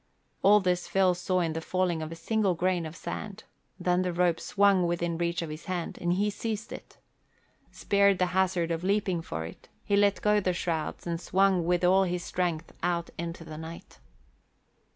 All this Phil saw in the falling of a single grain of sand, then the rope swung within reach of his hand and he seized it. Spared the hazard of leaping for it, he let go the shrouds and swung with all his strength out into the night.